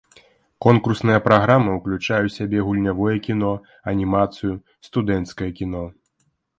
Конкурсная праграма ўключае ў сябе гульнявое кіно, анімацыю, студэнцкае кіно.